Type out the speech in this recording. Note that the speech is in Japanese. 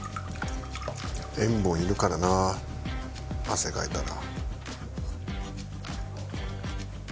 塩分いるからな汗かいたら。